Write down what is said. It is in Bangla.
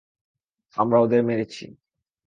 আমরা ওদের মেরেছি!